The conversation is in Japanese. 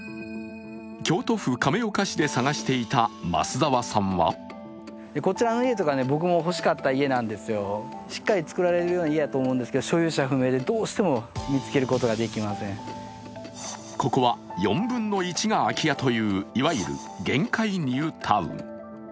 京都府亀岡市で探していた増澤さんはここは４分の１が空き家といういわゆる限界ニュータウン。